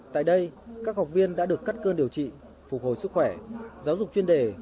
tại đây các học viên đã được cắt cơn điều trị phục hồi sức khỏe giáo dục chuyên đề